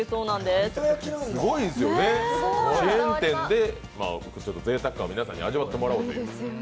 すごいですよね、チェーン店でぜいたく感を皆さんに味わってもらおうと。